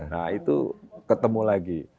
nah itu ketemu lagi